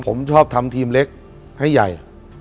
ผมชอบทำทีมเล็กให้ใหญ่